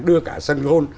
đưa cả sân gôn